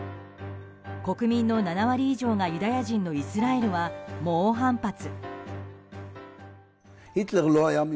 国民の７割以上がユダヤ人のイスラエルは猛反発。